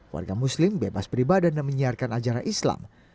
warga muslim bebas beribadah dan menyiarkan ajaran islam